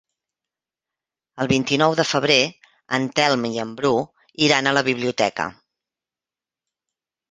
El vint-i-nou de febrer en Telm i en Bru iran a la biblioteca.